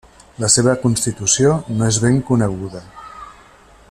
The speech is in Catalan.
La seva constitució no és ben coneguda.